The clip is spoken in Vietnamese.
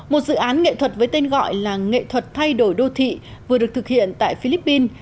một dự án nghệ thuật với tên gọi là nghệ thuật thay đổi đô thị vừa được thực hiện tại philippines